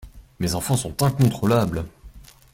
Mes enfants sont incontrôlables.